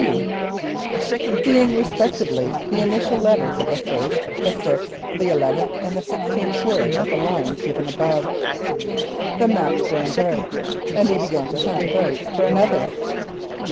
d being respectively the initials of the first, the sixth, the eleventh, and the sixteenth words of the line given above. The match burnt out, and he began to hunt about for another.